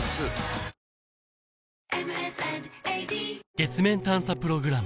月面探査プログラム